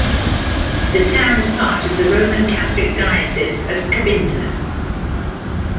The town is part of the Roman Catholic Diocese of Kabinda.